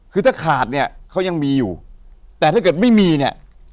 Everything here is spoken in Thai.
คือถ้าขาดเนี่ยเขายังมีอยู่แต่ถ้าเกิดไม่มีเนี่ย